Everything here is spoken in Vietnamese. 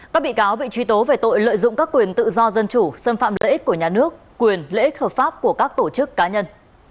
các bị cáo bị truy tố về tội lợi dụng các quyền tự do dân chủ xâm phạm lợi ích của nhà nước quyền lợi ích hợp pháp của các tổ chức cá nhân